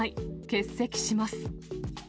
欠席します。